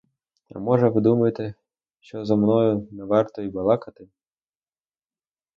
А може, ви думаєте, що зо мною не варто й балакати.